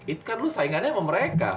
itu kan lu saingannya sama mereka